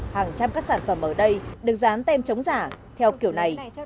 hàng trăm các sản phẩm ở đây được dán tem chống giả theo kiểu này